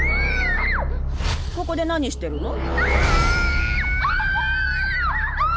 ここで何してるの？